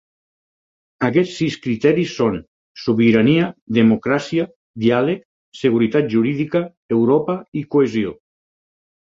Aquests sis criteris són: sobirania, democràcia, diàleg, seguretat jurídica, Europa i cohesió.